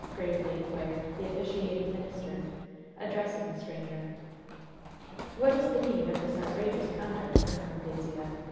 gravely inquired the officiating minister, addressing the stranger. "What is the meaning of this outrageous conduct, Col. Anglesea?